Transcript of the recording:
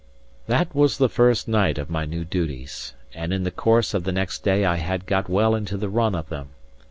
That was the first night of my new duties; and in the course of the next day I had got well into the run of them.